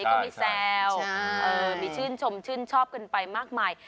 ก็มีแซวมีชื่นชมชื่นชอบกันไปมากมาย